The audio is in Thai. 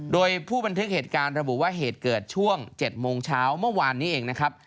โดยผู้บันทึกเหตุการณ์ระบุว่าเหตุเกิดช่วง๗โมงเช้าเมื่อวานนี้เองนะครับ